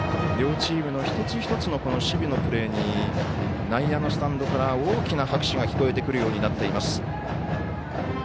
両チームの一つ一つの守備のプレーに内野のスタンドから大きな拍手が聞こえてくるようになっています。